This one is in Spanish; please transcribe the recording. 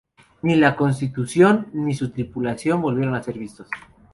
Ni la "Constitución" ni su tripulación volvieron a ser vistos.